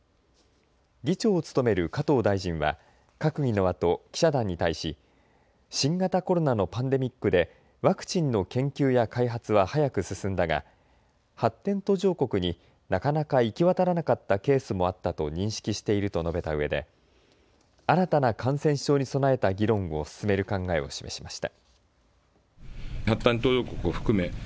議長を務める加藤大臣は閣議のあと記者団に対し新型コロナのパンデミックでワクチンの研究や開発は早く進んだが発展途上国になかなか行き渡らなかったケースもあったと認識していると述べたうえで新たな感染症に備えた議論を進める考えを示しました。